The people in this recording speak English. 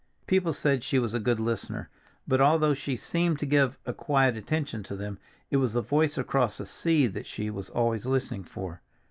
People said she was a good listener, but although she seemed to give a quiet attention to them, it was the voice across the sea that she was always listening for.